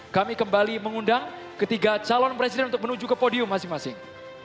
kami kembali mengundang ketiga calon presiden untuk menuju ke podium masing masing